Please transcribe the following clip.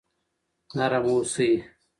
نرم اوسئ.